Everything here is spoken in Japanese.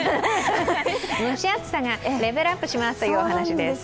蒸し暑さがレベルアップするという話です。